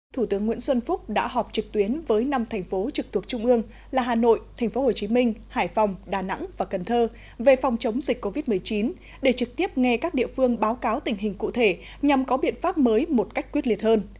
thủ tướng nguyễn xuân phúc đã họp trực tuyến với năm thành phố trực thuộc trung ương là hà nội tp hcm hải phòng đà nẵng và cần thơ về phòng chống dịch covid một mươi chín để trực tiếp nghe các địa phương báo cáo tình hình cụ thể nhằm có biện pháp mới một cách quyết liệt hơn